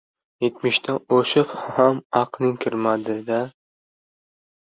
— Yetmishdan oshib ham aqling kirmadi-kirmadi-da!